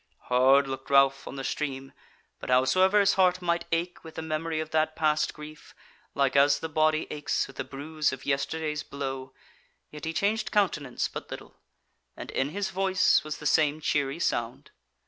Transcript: Hard looked Ralph on the stream, but howsoever his heart might ache with the memory of that passed grief, like as the body aches with the bruise of yesterday's blow, yet he changed countenance but little, and in his voice was the same cheery sound.